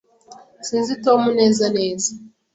Sinzi Tom neza neza.